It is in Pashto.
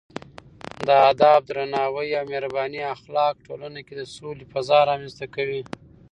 د ادب، درناوي او مهربانۍ اخلاق ټولنه کې د سولې فضا رامنځته کوي.